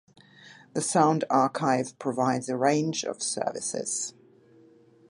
The Sound Archive provides a range of services.